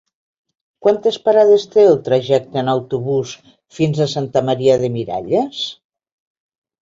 Quantes parades té el trajecte en autobús fins a Santa Maria de Miralles?